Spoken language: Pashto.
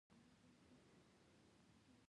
که لار سمه وټاکل شي، نو منزل به نږدې شي.